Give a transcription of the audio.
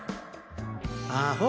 アホ！